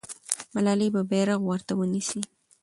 ملالۍ به بیرغ ورته ونیسي.